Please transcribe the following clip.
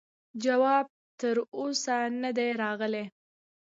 جواب تر اوسه نه دی راغلی.